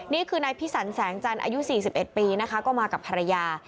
นี่คือนายพิสันแสงจันทร์อายุ๔๑ปีนะคะก็มากับภรรยา